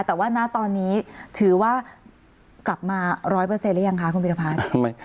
แต่ว่าณตอนนี้ถือว่ากลับมา๑๐๐หรือยังคะคุณพิรพัฒน์